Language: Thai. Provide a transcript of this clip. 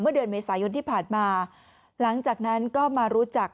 เดือนเมษายนที่ผ่านมาหลังจากนั้นก็มารู้จัก